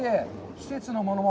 季節のものも。